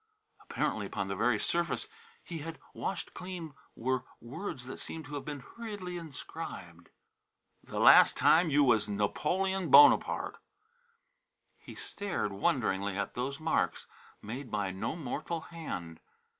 Apparently upon the very surface he had washed clean were words that seemed to have been hurriedly inscribed: "The last time you was Napolen Bonopart." He stared wonderingly at those marks made by no mortal hand.